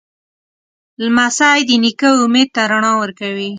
لمسی د نیکه امید ته رڼا ورکوي.